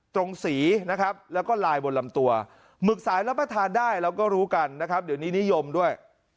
ตรงสีนะครับแล้วก็ลายบนลำตัวหมึกสายรับประทานได้เราก็รู้กันนะครับเดี๋ยวนี้นิยมด้วย